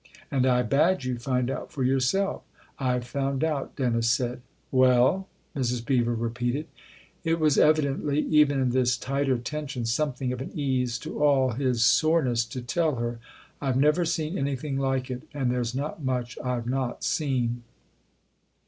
''" And 1 bade you find out for yourself." " I've found out," Dennis said. "Well?" Mrs. Beever repeated. It was evidently, even in this tighter tension, something of an ease to all his soreness to tell her. " I've never seen anything like it and there's not much I've not seen."